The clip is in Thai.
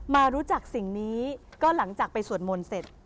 มารู้จักสิ่งนี้ก็หลังจากไปสวดมนต์เสร็จ